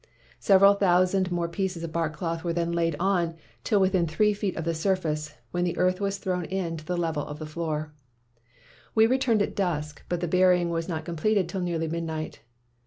Several thousand more pieces of bark cloth were then laid on till within three feet of the surface, when earth was thrown in to the level of the floor. "We returned at dusk, but the burying was not completed till nearly midnight.